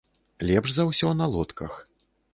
Лепш за ўсё на лодках.